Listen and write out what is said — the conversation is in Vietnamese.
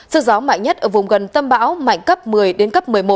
sự gió mạnh nhất ở vùng gần tâm báo mạnh cấp một mươi đến cấp một mươi một